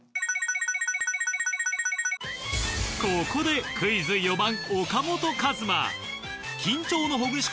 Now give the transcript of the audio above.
ここでクイズ４番岡本和真。